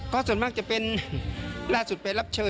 ก็ส่วนมากจะเป็นล่าสุดไปรับเชิญ